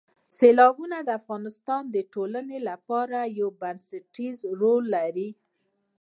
سیلابونه د افغانستان د ټولنې لپاره یو بنسټیز رول لري.